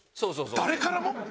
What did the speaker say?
誰からも？